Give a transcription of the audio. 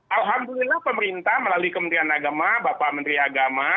alhamdulillah pemerintah melalui kementerian agama bapak menteri agama